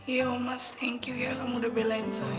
iya mas thank you ya kamu udah belain saya